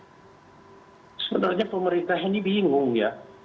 sebenarnya pemerintah ini bingung ya